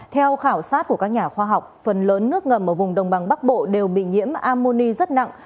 theo khảo sát của các nhà khoa học phần lớn nước ngầm ở vùng đồng bằng bắc bộ đều bị nhiễm ammoni rất nặng